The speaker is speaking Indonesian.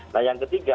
nah yang ketiga